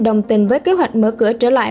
đồng tình với kế hoạch mở cửa trở lại